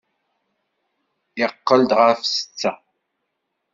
Iqqel-d ɣef setta.